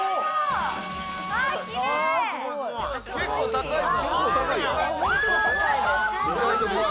結構高いぞ。